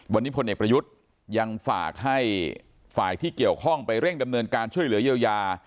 วันนี้พลเอกประยุทธ์ยังฝากให้ฝ่ายที่เกี่ยวข้องไปเร่งดำเนินการช่วยเหลือเยียวยา